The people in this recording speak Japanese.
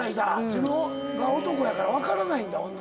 自分が男やから分からないんだ。